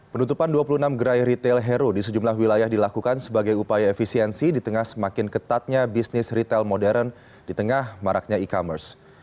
penutupan dua puluh enam gerai retail hero di sejumlah wilayah dilakukan sebagai upaya efisiensi di tengah semakin ketatnya bisnis retail modern di tengah maraknya e commerce